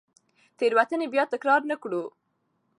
تېروتنې بیا تکرار نه کړو.